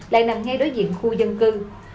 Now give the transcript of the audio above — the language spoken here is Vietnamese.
lại nằm ngay đối diện khu dân cư